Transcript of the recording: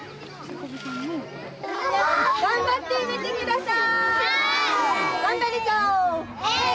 頑張って植えてください。